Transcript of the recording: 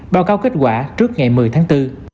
báo cáo kết quả trước ngày một mươi tháng bốn